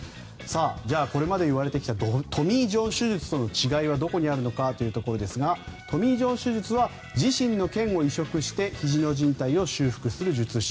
じゃあこれまでいわれてきたトミー・ジョン手術との違いはどこにあるのかというところですがトミー・ジョン手術は自身の腱を移植してひじのじん帯を修復する術式。